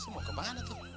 mau kemana tuh